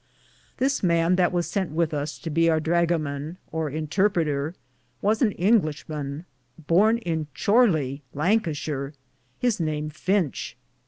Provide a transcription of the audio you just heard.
This man that was sente with us to be our drugaman, or intarpreater, was an Inglishe man, borne in Chorlaye in Lancashier ; his name Finche.